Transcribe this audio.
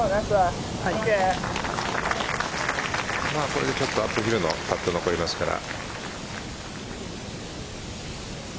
これで、ちょっとアップヒルのパット残りますから。